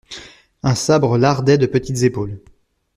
Un sabre lardait de petites épaules.